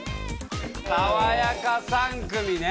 「さわやか３組」ね！